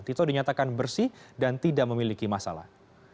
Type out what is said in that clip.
tito dinyatakan bersih dan tidak memiliki masalah